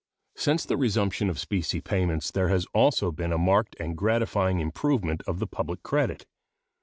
Since the resumption of specie payments there has also been a marked and gratifying improvement of the public credit.